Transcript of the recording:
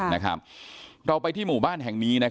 เราไปที่หมู่บ้านแห่งนี้